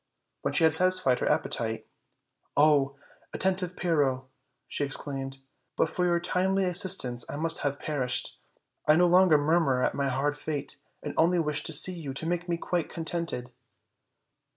When she had satisfied her appetite, "Oh! attentive Pyrrho!" she exclaimed, "but for your timely assistance I must have perished; I no longer murmur at my hard fate, and only wish to see you to make me quite con tented."